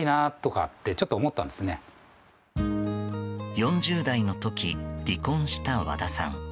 ４０代の時離婚した和田さん。